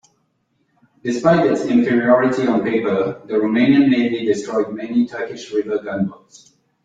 Despite its inferiority on paper, the Romanian Navy destroyed many Turkish river gunboats.